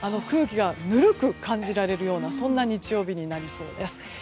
空気がぬるく感じられるような日曜日になりそうです。